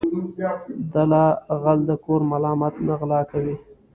دله غل د کور مالت نه غلا کوي.